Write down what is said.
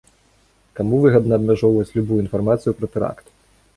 Каму выгадна абмяжоўваць любую інфармацыю пра тэракт?